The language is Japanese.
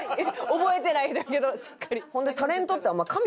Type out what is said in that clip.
覚えてないんだけどしっかり。